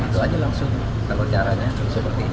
itu aja langsung kalau caranya seperti ini